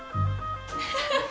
ハハハ！